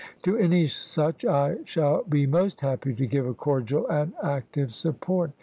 To any such I shall be most happy to give a cordial and active support.